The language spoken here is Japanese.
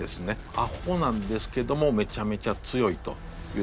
アホなんですけどもめちゃめちゃ強いというとこです。